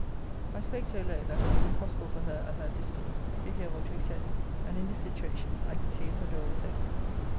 I spoke so low that it was impossible for her, at that distance, to hear what we said; and in this situation I could see if her door was opened.